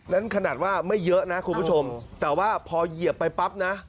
นั้นขนาดว่าไม่เยอะนะคุณผู้ชมแต่ว่าพอเหยียบไปปั๊บนะ